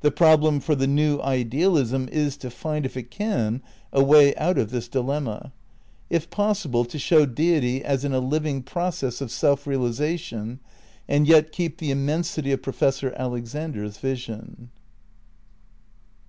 The problem for the new idealism is to find, if it can, a way out of this dilemma ; if pos sible to show Deity as in a living process of self reali sation, and yet keep the immensity of Professor Alex ander's vision.